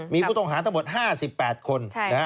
มีผู้ต้องหาทั้งหมด๕๘คน